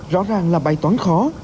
rõ ràng là bay toán khó